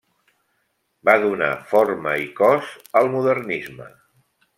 Va donar forma i cos al modernisme.